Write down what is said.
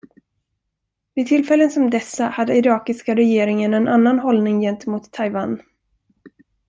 Vid tillfällen som dessa hade irakiska regeringen en annan hållning gentemot Taiwan.